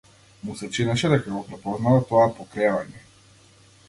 Му се чинеше дека го препознава тоа покревање.